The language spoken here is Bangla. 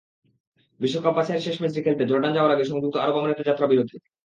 বিশ্বকাপ বাছাইয়ের শেষ ম্যাচটি খেলতে জর্ডান যাওয়ার আগে সংযুক্ত আরব আমিরাতে যাত্রা-বিরতি।